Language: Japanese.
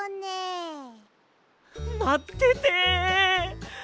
まってて。